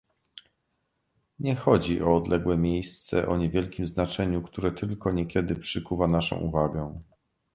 Nie chodzi o odległe miejsce o niewielkim znaczeniu, które tylko niekiedy przykuwa naszą uwagę